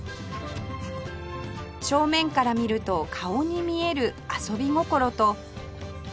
正面から見ると顔に見える遊び心と